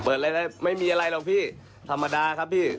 เปิดเร็วไม่มีอะไรหรอกพี่ธรรมดาครับพี่